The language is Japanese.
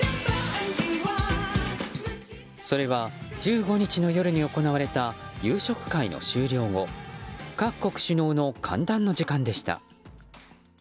それは、１５日の夜に行われた夕食会の終了後各国首脳の歓談の時間でした。